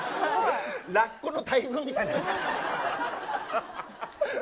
ラッコの大群みたいになった。